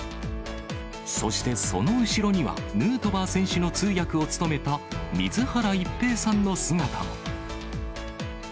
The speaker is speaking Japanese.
そして、その後ろには、ヌートバー選手の通訳を務めた水原一平さんの姿も。